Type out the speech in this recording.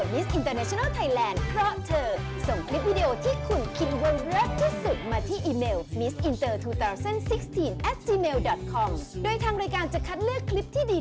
เหมือนเขาแบบเขาหญิง